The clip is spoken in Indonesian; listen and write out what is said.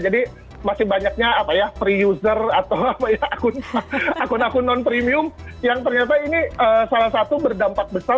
jadi masih banyaknya apa ya free user atau apa ya akun akun non premium yang ternyata ini salah satu berdampak besar